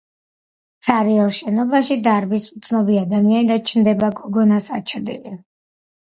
ცარიელ შენობაში დარბის უცნობი ადამიანი და ჩნდება გოგონას აჩრდილი.